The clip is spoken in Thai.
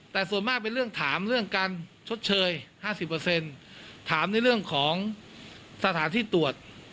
แต่ส่วนมากเป็นเรื่องถามเรื่องการชดเชยห้าสิบเปอร์เซ็นต์ถามในเรื่องของสถานที่ตรวจ